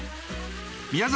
宮崎